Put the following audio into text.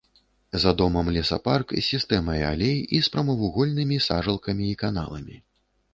За домам лесапарк з сістэмай алей і з прамавугольнымі сажалкамі і каналамі.